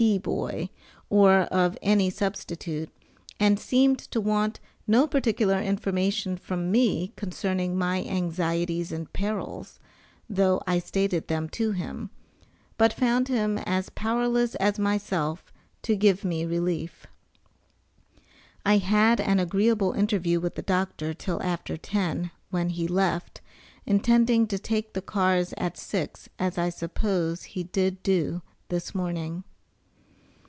Boy," or of any substitute, and seemed to want no particular information from me concerning my anxieties and perils, though I stated them to him, but found him as powerless as myself to give me relief. I had an agreeable interview with the doctor till after ten, when he left, intending to take the cars at six, as I suppose he did do, this morning.